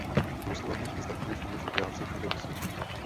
Musíme být i zdatnější v naší práci všude po světě.